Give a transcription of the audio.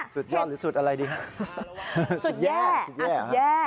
สุดยอดหรือสุดอะไรดีสุดแย่สุดแย่สุดแย่